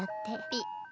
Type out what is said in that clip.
ピッ。